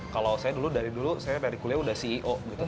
kalau saya dulu dari dulu saya dari kuliah udah ceo gitu